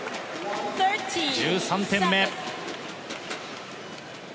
１３点目。